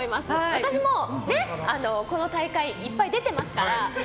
私もこの大会、いっぱい出てますから。